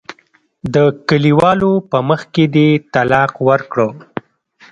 د کلیوالو په مخ کې دې طلاق ورکړه.